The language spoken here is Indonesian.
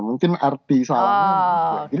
mungkin arti salahnya gitu